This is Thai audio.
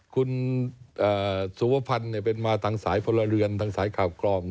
คุณสุวพันธ์เป็นมาทางสายพลเรือนทางสายข่าวกรอง